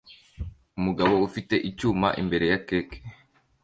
Umugabo ufite icyuma imbere ya cake